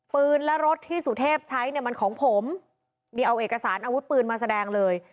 ปืนและรถที่สุเทพใช้เนี่ยมันของผมนี่เอาเอกสารอาวุธปืนมาแสดงเลย